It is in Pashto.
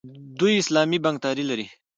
دوی اسلامي بانکداري لري.